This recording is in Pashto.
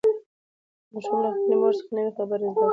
ماشوم له خپلې مور څخه نوې خبره زده کړه